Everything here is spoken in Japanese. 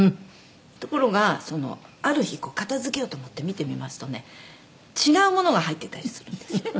ところがそのある日片付けようと思って見てみますとね違うものが入ってたりするんですよ」